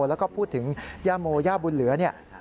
แล้วก็พูดถึงย่าโมย่าบุญเหลือเนี่ย